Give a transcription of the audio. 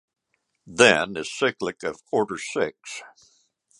Then is cyclic of order six.